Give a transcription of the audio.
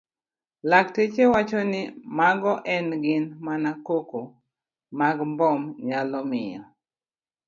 Lakteche wacho ni mago ne gin mana koko mag mbom nyalo miyo